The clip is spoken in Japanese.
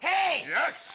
よし！